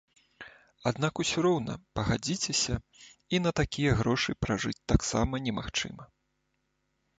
Аднак усё роўна, пагадзіцеся, і на такія грошы пражыць таксама немагчыма.